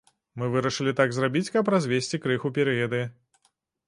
Мы вырашылі так зрабіць, каб развесці крыху перыяды.